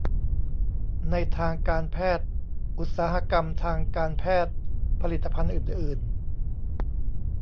ในทางการแพทย์ อุตสาหกรรมทางการแพทย์ ผลิตภัณฑ์อื่นอื่น